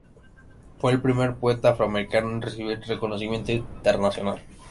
Fue el primer poeta afroamericano en recibir reconocimiento internacional.